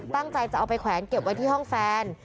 ตั้งใจจะเอาไปแขวนเก็บไว้ที่ห้องแฟน